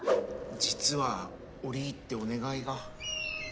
実は折り入ってお願いが